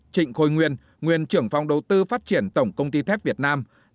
hai trịnh khôi nguyên nguyên trưởng phòng đầu tư phát triển tổng công ty thép việt nam